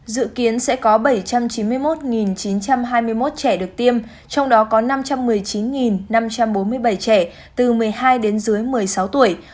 dự kiến sẽ có bảy trăm chín mươi một chín trăm hai mươi một trẻ được tiêm trong đó có năm trăm một mươi chín năm trăm bốn mươi bảy trẻ từ một mươi hai đến dưới một mươi sáu tuổi